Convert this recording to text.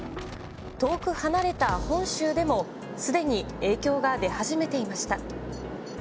遠く離れた本州でも、すでに影響が出始めていました。